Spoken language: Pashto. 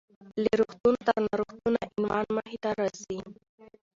له روغتون تر ناروغتونه: عنوان مخې ته راځي .